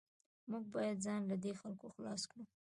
موږ باید ځان له دې خلکو خلاص کړو